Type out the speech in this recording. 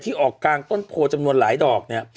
ออกกลางต้นโพจำนวนหลายดอกเนี่ย